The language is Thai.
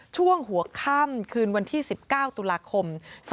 ช่วงหัวค่ำคืนวันที่๑๙ตุลาคม๒๕๖